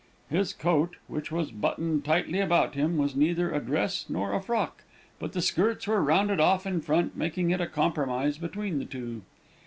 His coat, which was buttoned tightly about him, was neither a dress nor a frock, but the skirts were rounded off in front, making it a compromise between the two.